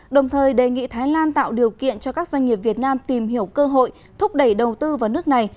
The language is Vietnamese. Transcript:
đồng thời đề nghị thái lan tạo điều kiện cho các doanh nghiệp việt nam tìm hiểu cơ hội thúc đẩy đầu tư vào nước này